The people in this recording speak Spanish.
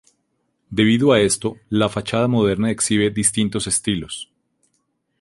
Debido a esto, la fachada moderna exhibe distintos estilos.